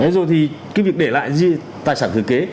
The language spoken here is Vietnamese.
rồi thì cái việc để lại gì tài sản thừa kế